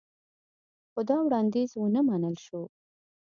خو دا وړاندیز ونه منل شو